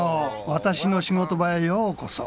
私の仕事場へようこそ。